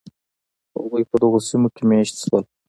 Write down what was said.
هغوی په دغو سیمو کې مېشت شول.